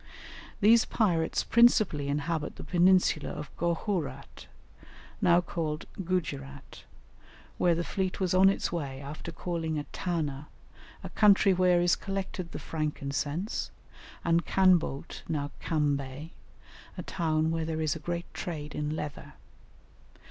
These pirates principally inhabit the peninsula of Gohourat, now called Gujerat, where the fleet was on its way after calling at Tana a country where is collected the frankincense and Canboat, now Kambay, a town where there is a great trade in leather.